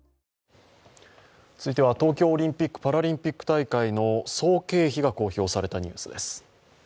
続いては東京オリンピック・パラリンピック大会の総経費が公表されたニュースです。